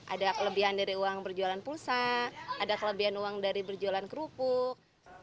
ada kelebihan dari uang berjualan pulsa ada kelebihan uang dari berjualan kerupuk